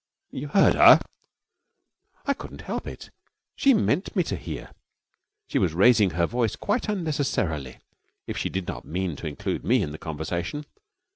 'You heard her?' 'I couldn't help it. She meant me to hear. She was raising her voice quite unnecessarily if she did not mean to include me in the conversation.